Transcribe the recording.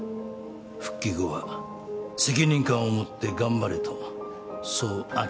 復帰後は責任感を持って頑張れとそう明人に伝えてくれ。